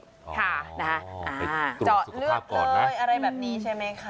ค่ะไปตรวจสุขภาพก่อนนะจอดเลือกเลยอะไรแบบนี้ใช่ไหมคะ